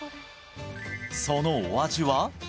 そのお味は？